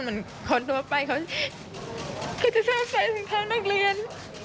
เหมือนคนที่ว่าไปเค้าจะชอบใส่รองเท้านักเรียน